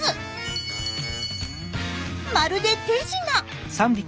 まるで手品！